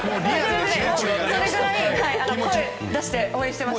それぐらい声出して応援していました。